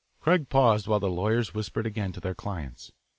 Craig paused while the lawyers whispered again to their clients.